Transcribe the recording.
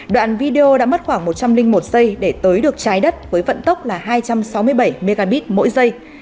đoạn video đã mất khoảng một trăm linh một giây để tới được trái đất với vận tốc là hai trăm sáu mươi bảy mb mỗi giây